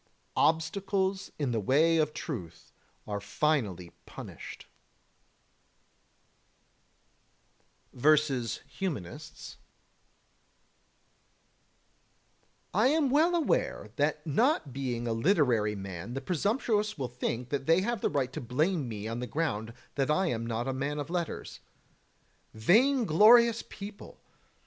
23. Obstacles in the way of truth are finally punished. [Sidenote: Versus Humanists] 24. I am well aware that not being a literary man the presumptuous will think that they have the right to blame me on the ground that I am not a man of letters. Vainglorious people!